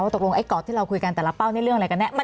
ตกลงไอ้กรอบที่เราคุยกันแต่ละเป้านี่เรื่องอะไรกันแน่